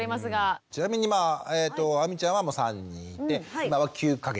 ちなみにまあ亜美ちゃんは３人いて今は９か月？